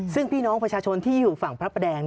ซึ่งพี่น้องประชาชนที่อยู่ฝั่งพระประแดง